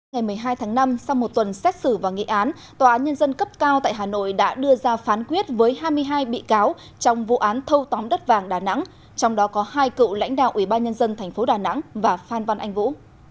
ngày một mươi hai tháng năm sau một tuần xét xử và nghị án tòa án nhân dân cấp cao tại hà nội đã đưa ra phán quyết với hai mươi hai bị cáo trong vụ án thâu tóm đất vàng đà nẵng trong đó có hai cựu lãnh đạo ubnd tp đà nẵng và phan văn anh vũ